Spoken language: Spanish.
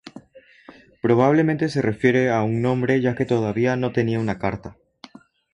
Probablemente se refiere a un nombre ya que todavía no tenía una carta.